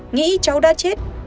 nghĩ cháu đã chết